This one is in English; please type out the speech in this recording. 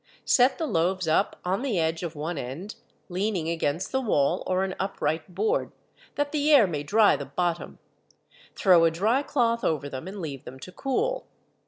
Set the loaves up on the edge of one end, leaning against the wall or an upright board, that the air may dry the bottom, throw a dry cloth over them and leave them to cool.